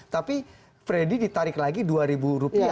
tapi freddy ditarik lagi rp dua